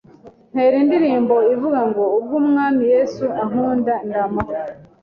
ntera indirimbo ivuga ngo ubwo umwami Yesu ankunda ndi amahoro,